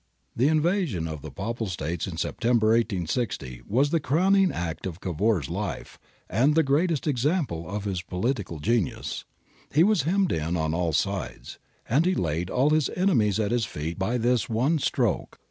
\ The invasion of the Papal States in Septe mber , i86q. was the crowmng "act of Cavour's life, and the greatest exampIe"oniis political genius. He was hemmed in on all sides, and he laid all his enemies at his feet by this one stroke.